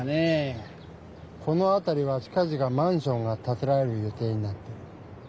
このあたりは近ぢかマンションがたてられる予定になっている。